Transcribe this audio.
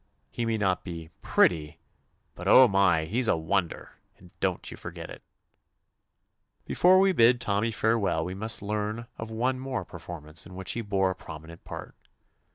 He may not be 194 TOMMY POSTOFFICE pretty, but oh, my I he 's a wonder, and don't you forget it I" Before we bid Tommy farewell we must learn of one more performance in which he bore a prominent part.